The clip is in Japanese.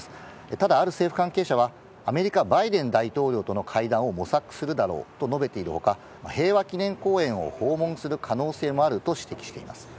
ただ、ある政府関係者はアメリカ、バイデン大統領との会談を模索するだろうと述べているほか、平和記念公園を訪問する可能性もあると指摘しています。